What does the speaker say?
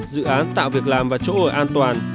dự án tạo việc làm và chỗ ở an toàn